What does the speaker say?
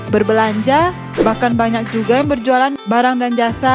berbelanja bahkan banyak juga yang berjualan barang dan jasa